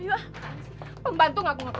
untuk kamu ya